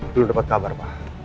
dulu dapat kabar pak